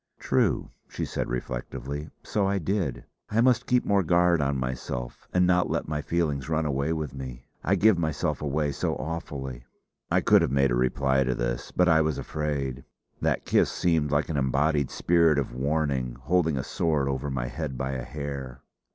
"True," she said reflectively. "So I did. I must keep more guard on myself and not let my feelings run away with me. I give myself away so awfully." I could have made a reply to this, but I was afraid. That kiss seemed like an embodied spirit of warning, holding a sword over my head by a hair.